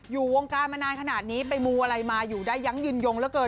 อยู่วงการมานานขนาดนี้ไปมูอะไรมาอยู่ได้ยั้งยืนยงเหลือเกิน